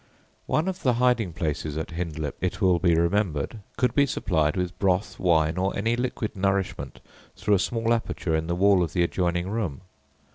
One of the hiding places at Hindlip, it will be remembered, could be supplied with broth, wine, or any liquid nourishment through a small aperture in the wall of the adjoining room.